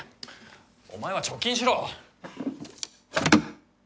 お前は貯金しろ。